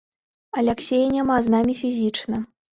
Аляксея няма з намі фізічна.